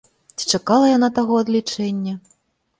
Ці чакала яна таго адлічэння?